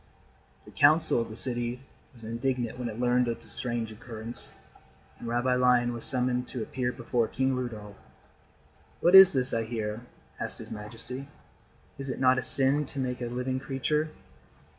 The Council of the city was indignant when it learned of the strange occurrence, and Rabbi Lion was summoned to appear before King Rudolf. "What is this I hear," asked his majesty. "Is it not a sin to make a living creature?"